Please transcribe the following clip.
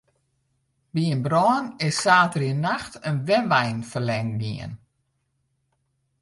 By in brân is saterdeitenacht in wenwein ferlern gien.